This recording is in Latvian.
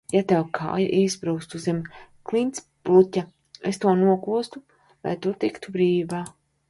Ja tev kāja iesprūstu zem klintsbluķa, es to nokostu, lai tu tiktu brīvībā.